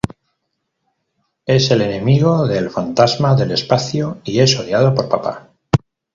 Es el enemigo del Fantasma del Espacio y es odiado por Papá.